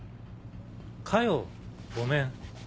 加代ごめん。